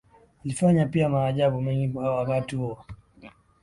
Alifanya pia maajabu mengi kwa wakati huo